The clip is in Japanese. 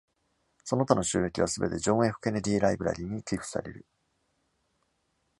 その他の収益はすべてジョン F ケネディ・ライブラリに寄付される。